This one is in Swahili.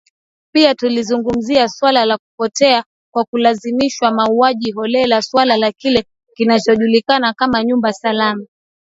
Pia tulizungumzia suala la kupotea kwa kulazimishwa, mauaji holela, suala la kile kinachojulikana kama nyumba salama.